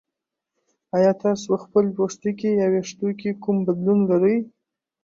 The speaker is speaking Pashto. ایا تاسو په خپل پوستکي یا ویښتو کې کوم بدلون لرئ؟